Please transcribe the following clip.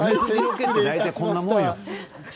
大体こんなものよ。